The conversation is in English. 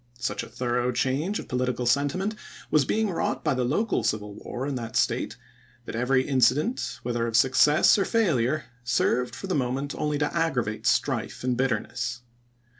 Such a thorough change of political sentiment was being wi'ought by the local civil war in that State, that every incident, whether of success or failure, served for the mo ment only to aggi'avate strife and bitterness.